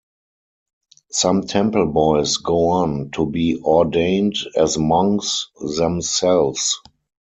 Some temple boys go on to be ordained as monks themselves.